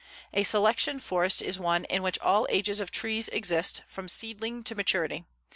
A selection forest is one in which all ages of trees exist, from seedling to maturity.